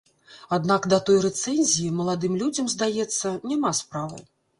Аднак да той рэцэнзіі маладым людзям, здаецца, няма справы.